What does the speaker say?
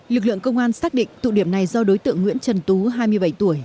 lực lượng công an xác định tụ điểm này do đối tượng nguyễn trần tú hai mươi bảy tuổi